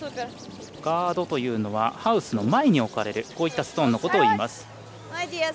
ガードというのはハウスの前に置かれるこういったストーンのことを言います。